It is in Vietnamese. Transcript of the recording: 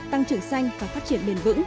tăng trưởng xanh và phát triển bền vững